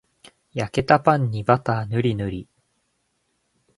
焼けたパンにバターぬりぬり